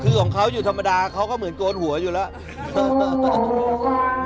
คือของเขาอยู่ธรรมดาเขาก็เหมือนโกนหัวอยู่แล้ว